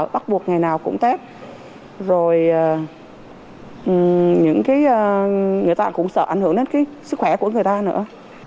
bắt buộc ngày nào cũng tết rồi những người ta cũng sợ ảnh hưởng đến cái sức khỏe của người ta nữa